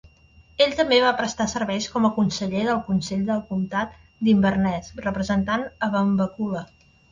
Ell també va prestar serveis com a conseller del Consell del Comtat d'Inverness, representant a Benbecula.